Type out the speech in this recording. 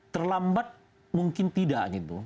terlambat mungkin tidak gitu